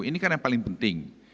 ini kan yang paling penting